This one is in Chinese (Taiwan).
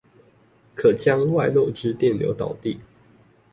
可將外漏之電流導地